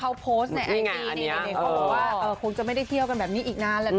เขาโพสต์ในไอตีนี้ว่าคงจะไม่ได้เที่ยวกันแบบนี้อีกนานแล้วเนอะ